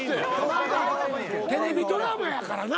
まあまあテレビドラマやからな。